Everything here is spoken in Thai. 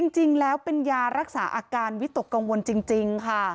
จริงแล้วเป็นยารักษาอาการวิตกกังวลจริงค่ะ